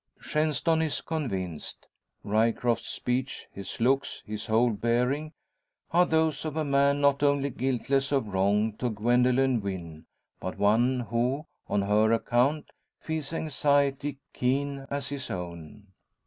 Shenstone is convinced. Ryecroft's speech, his looks, his whole bearing, are those of a man not only guiltless of wrong to Gwendoline Wynn, but one who, on her account, feels anxiety keen as his own.